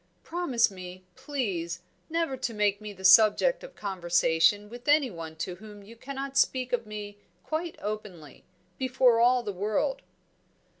Promise me, please, never to make me the subject of conversation with anyone to whom you cannot speak of me quite openly, before all the world."